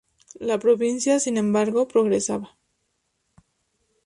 La provincia, sin embargo, progresaba.